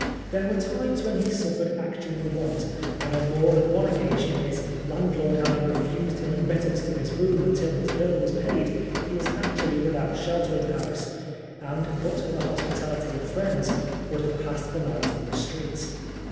There were times when he suffered actual want ; and on more than one occasion, his landlord having refused him admittance to his room until his bill was paid, he was actually without shelter in Paris, and but for the hospitality of friends, would have passed the night in the streets.